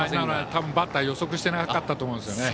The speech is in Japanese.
多分、バッターは予測してなかったと思います。